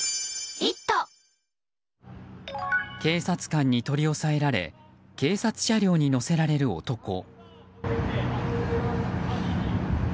警察官に取り押さえられ警察車両に乗せられる男。